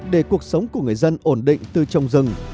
để cuộc sống của người dân ổn định từ trồng rừng